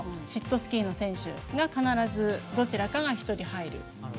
スキーの選手が必ず、どちらかが１人、入るという。